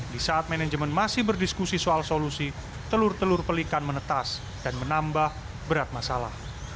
di saat manajemen masih berdiskusi soal solusi telur telur pelikan menetas dan menambah berat masalah